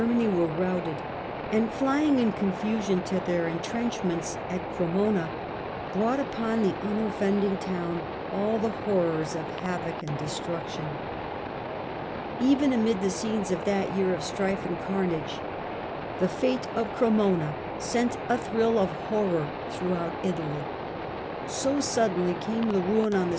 many were routed, and flying in confusion to their en trenchments at Cremona, brought upon the unoffending town all the horrors of havoc and destruction. 138 The Earlier Empire, a. a 69. Even amid the scenes of that year of strife and car nage the fate of Cremona sent a thrill of horror through Sad fate of Italy. So Suddenly came the ruin on the Cremona.